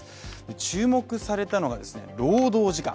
注目されたのが労働時間。